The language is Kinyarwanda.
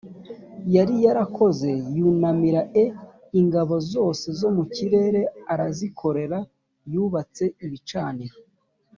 yari yarakoze yunamira e ingabo zose zo mu kirere arazikorera yubatse ibicaniro